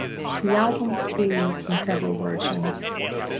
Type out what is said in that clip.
The album was released in several versions.